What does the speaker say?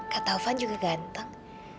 kak taufan juga ganteng